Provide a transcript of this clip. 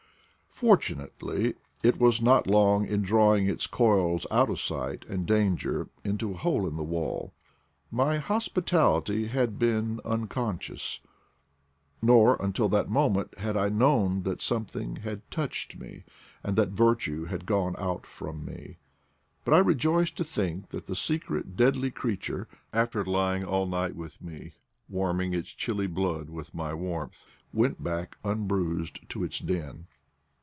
Fortunately it was not long in drawing its coils out of sight and danger into a hole in the wall. My hospitality had been uncon scious, nor, until that moment, had I known that something had touched me, and that virtue had gone out from me; but I rejoice to think that the secret deadly creature, after lying all night with me, warming its chilly blood with my warmth, went back unbruised to its den.